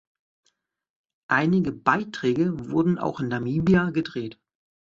Einige Beiträge wurden auch in Namibia gedreht.